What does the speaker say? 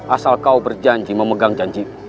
asal kau berjanji memegang janjiku